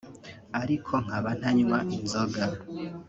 ariko nkaba ntanywa inzoga